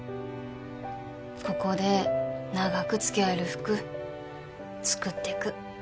ここで長くつきあえる服作ってく